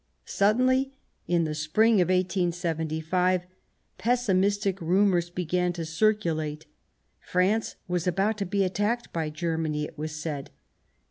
Suddenly, in the spring of 1875, pessimistic rumours began to circulate ; France was about to be attacked by Germany, it was said.